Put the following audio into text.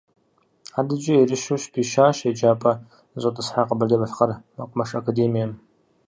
Адэкӏэ ерыщу щыпищащ еджапӏэ зыщӏэтӏысхьа Къэбэрдей-Балъкъэр мэкъумэш академием.